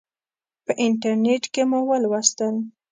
په انټرنیټ کې مې ولوستل.